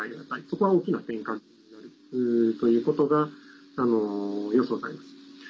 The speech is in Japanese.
そこは、大きな転換点になるということが予想されます。